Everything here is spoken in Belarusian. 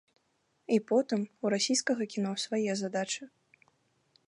І потым, у расійскага кіно свае задачы.